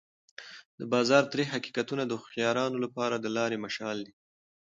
د بازار تریخ حقیقتونه د هوښیارانو لپاره د لارې مشال دی.